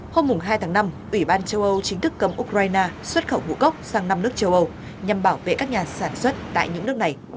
hôm hai tháng năm ủy ban châu âu chính thức cấm ukraine xuất khẩu ngũ cốc sang năm nước châu âu nhằm bảo vệ các nhà sản xuất tại những nước này